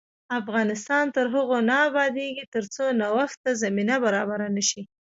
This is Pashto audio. افغانستان تر هغو نه ابادیږي، ترڅو نوښت ته زمینه برابره نشي.